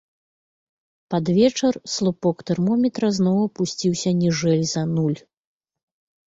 Пад вечар слупок тэрмометра зноў апусціўся ніжэй за нуль.